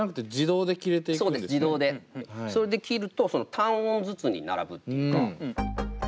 それで切ると単音ずつに並ぶっていうか。